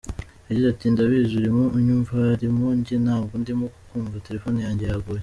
Yagize ati "Ndabizi urimo unyumva arimo njye ntabwo ndimo kukumva telefone yanjye yaguye.